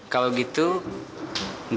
kalau gitu aku mau pergi